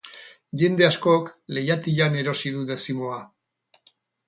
Jende askok leihatilan erosi du dezimoa.